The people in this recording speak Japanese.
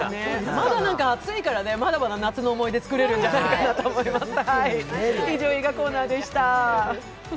まだ暑いからね、まだまだ夏の思い出つくれるんじゃないかなって思いました。